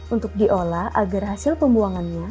untuk diolah agar hasil pembuangannya